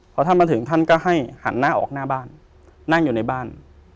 พอท่านมาถึงท่านก็ให้หันหน้าออกหน้าบ้านนั่งอยู่ในบ้าน